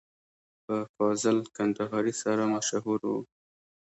په فاضل کندهاري سره مشهور و.